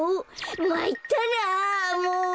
まいったなもう。